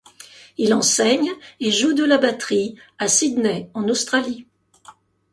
Il enseigne et joue de la batterie à Sydney en Australie.